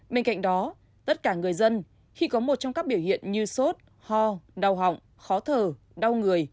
bên cạnh đó tất cả người dân khi có một trong các biểu hiện như sốt ho đau họng khó thở đau người